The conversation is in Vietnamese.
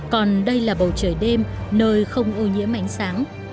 còn đây là bầu trời đêm nơi không ô nhiễm ánh sáng